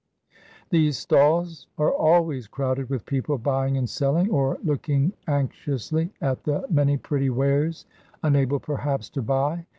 These stalls are always crowded with people buying and selling, or looking anxiously at the many pretty wares, unable, perhaps, to buy.